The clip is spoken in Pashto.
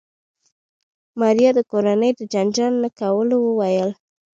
ماريا د کورنۍ د جنجال نه کولو وويل.